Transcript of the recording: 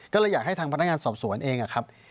ก็เลยอยากให้ทางพนักงานสอบสวนเองอะครับ